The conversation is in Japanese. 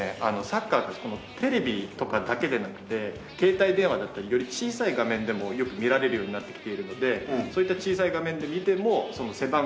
サッカーこのテレビとかだけでなくて携帯電話だったりより小さい画面でもよく見られるようになってきているのでそういった小さい画面で見ても背番号であったり。